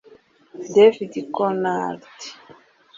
David Conrad